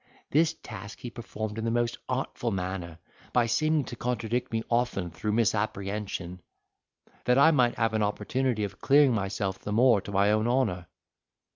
This task he performed in the most artful manner, by seeming to contradict me often through misapprehension, that I might have an opportunity of clearing myself the more to my own honour.